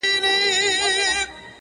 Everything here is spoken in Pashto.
له زلمیو خوښي ورکه له مستیو دي لوېدلي-